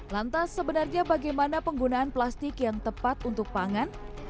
lantas sebenarnya bagaimana penggunaan plastik yang tepat untuk pangan